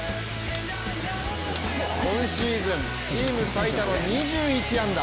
今シーズン、チーム最多の２１安打。